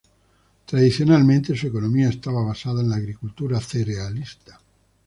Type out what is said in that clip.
Tradicionalmente, su economía estaba basada en la agricultura cerealista.